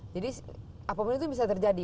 jadi apapun itu bisa terjadi